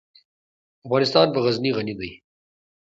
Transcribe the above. افغانستان په غزني غني دی.